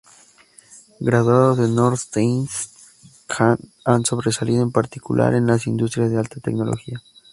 Graduados de Northeastern han sobresalido en particular en las industrias de alta tecnología.